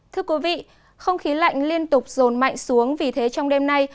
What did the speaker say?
thưa quý vị không khí lạnh liên tục rồn mạnh xuống vì thế trong đêm nay